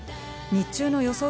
日中の予想